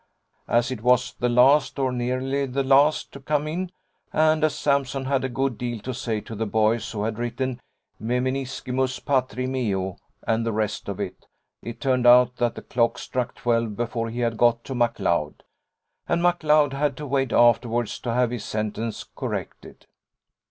As it was the last, or nearly the last, to come in, and as Sampson had a good deal to say to the boys who had written meminiscimus patri meo and the rest of it, it turned out that the clock struck twelve before he had got to McLeod, and McLeod had to wait afterwards to have his sentence corrected.